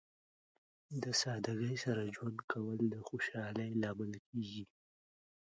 د سادګۍ سره ژوند کول د خوشحالۍ لامل کیږي.